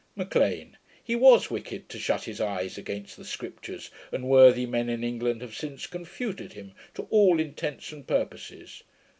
M'LEAN. 'He was wicked, to shut his eyes against the Scriptures; and worthy men in England have since confuted him to all intents and purposes.'